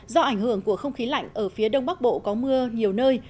do ảnh hưởng của không khí lạnh ở phía đông bắc bộ có mưa nhiều nơi